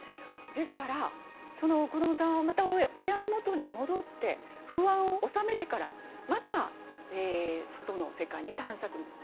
ですからその子どもさんはまた親のもとに戻って不安をおさめてからまた外の世界に探索に行く。